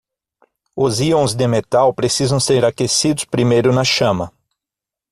Os íons de metal precisam ser aquecidos primeiro na chama.